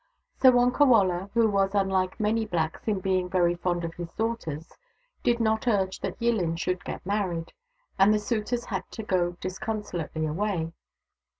So Wonkawala, who was unlike many blacks in being very fond of his daughters, did not urge that Yillin should get married, and the suitors had to go disconsolately away.